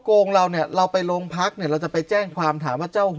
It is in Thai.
โกงเราเนี่ยเราไปโรงพักเนี่ยเราจะไปแจ้งความถามว่าเจ้าของ